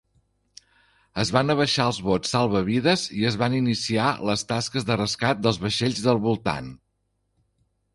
Es van abaixar els bots salvavides i es van iniciar les tasques de rescat dels vaixells del voltant.